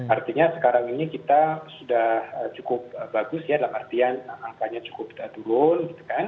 artinya sekarang ini kita sudah cukup bagus ya dalam artian angkanya cukup turun